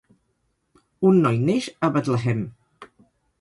Un noi neix a Bethlehem.